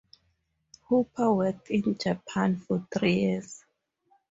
Hooper worked in Japan for three years.